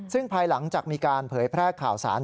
ซึ่งภายหลังจากมีการเผยแพร่ข่าวสาร